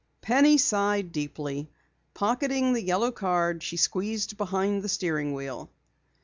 Penny sighed deeply. Pocketing the yellow card, she squeezed behind the steering wheel.